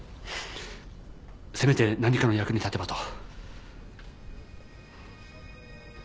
せめて何かの役に立てばと。